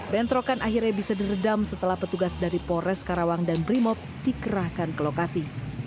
bentrokan akhirnya bisa diredam setelah petugas dari polres karawang dan brimob dikerahkan ke lokasi